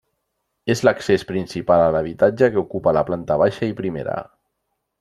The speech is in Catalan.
És l'accés principal a l'habitatge que ocupa la planta baixa i primera.